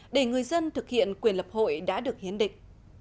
để người dân thực hiện quyền lập hội đã được hiến định